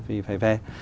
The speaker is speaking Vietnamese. vì phải về